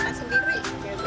kalau sibuk cari makanan sendiri